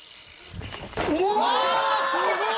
お！わすごい！